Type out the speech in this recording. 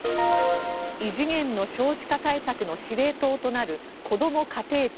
異次元の少子化対策の司令塔となるこども家庭庁。